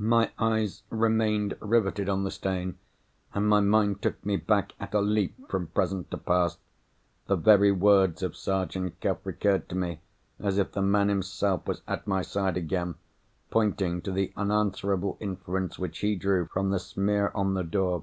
My eyes remained riveted on the stain, and my mind took me back at a leap from present to past. The very words of Sergeant Cuff recurred to me, as if the man himself was at my side again, pointing to the unanswerable inference which he drew from the smear on the door.